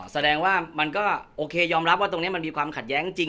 แสดงว่ามันก็โอเคยอมรับว่าตรงนี้มันมีความขัดแย้งจริง